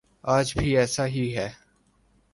آج بھی ایسا ہی ہے۔